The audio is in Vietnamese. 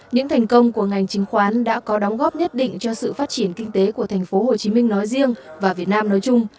những thành công của ngành chứng khoán đã có đóng góp nhất định cho sự phát triển kinh tế của tp hcm nói riêng và việt nam nói chung